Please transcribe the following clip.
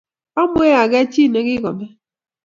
Amwee akeg chi nikikome.